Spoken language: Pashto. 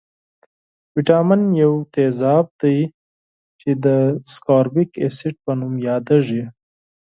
ویتامین یو تیزاب دی چې د سکاربیک اسید په نوم یادیږي.